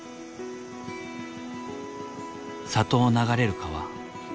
里を流れる川。